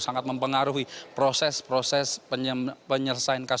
sangat mempengaruhi proses proses penyelesaian kasus